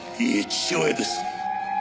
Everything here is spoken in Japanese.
いいえ父親です。